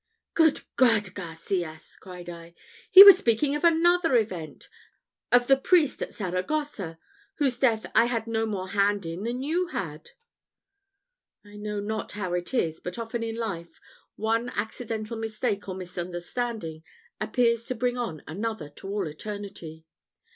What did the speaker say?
'" "Good God! Garcias!" cried I. "He was speaking of another event of the priest at Saragossa, whose death I had no more hand in than you had!" I know not how it is, but often in life, one accidental mistake or misunderstanding appears to bring on another to all eternity.